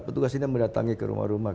petugas ini mendatangi ke rumah rumah